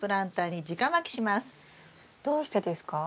どうしてですか？